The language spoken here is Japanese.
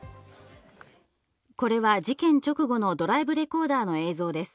これは事件直後のドライブレコーダーの映像です。